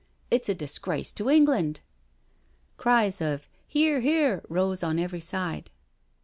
It's a disgrace to England." Cries of "Hear, hear I" rose on every side.